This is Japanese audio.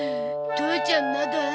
父ちゃんまだ？